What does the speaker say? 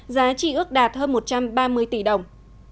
giá trị ước đạt hơn một trăm ba mươi tỷ đồng